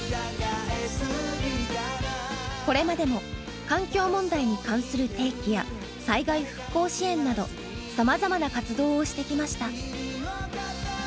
これまでも環境問題に関する提起や災害復興支援などさまざまな活動をしてきました。